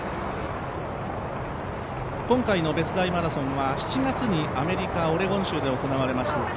今回の別大マラソンは７月にアメリカ・オレゴン州で行われます。